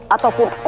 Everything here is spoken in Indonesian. ataupun kajeng ratu